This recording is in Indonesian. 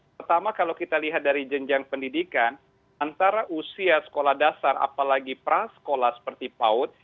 pertama kalau kita lihat dari jenjang pendidikan antara usia sekolah dasar apalagi prasekolah seperti paut